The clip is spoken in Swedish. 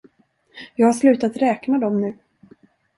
Jag har slutat att räkna dem nu.